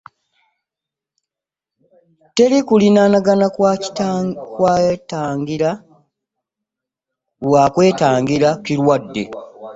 Teri kuliraanagana lwa kwetangira kirwadde.